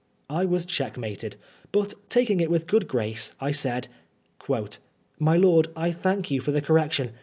I was checkmated, but taking it with a good grace, I said :« My lord, I thank you for the correction.